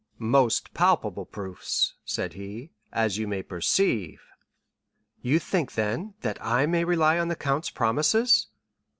"Most palpable proofs," said he, "as you may perceive." "You think, then, that I may rely on the count's promises?"